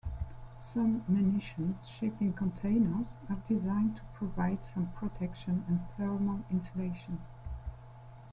Some munition shipping containers are designed to provide some protection and thermal insulation.